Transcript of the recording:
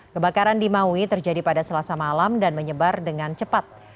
kebakaran di maui terjadi pada selasa malam dan menyebar dengan cepat